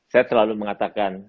saya selalu mengatakan